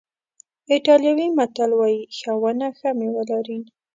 ایټالوي متل وایي ښه ونه ښه میوه لري.